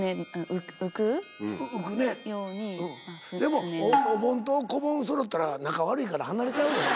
でもおぼんとこぼんそろったら仲悪いから離れちゃうよ。